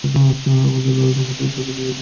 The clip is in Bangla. আমার লাল রঙের টিউবটা খুঁজে পাচ্ছিলাম না।